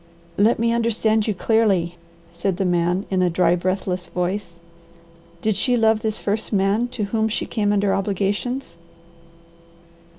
"Let me understand you clearly," said the man in a dry, breathless voice. "Did she love this first man to whom she came under obligations?"